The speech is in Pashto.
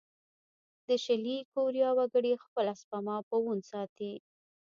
د شلي کوریا وګړي خپله سپما په وون ساتي.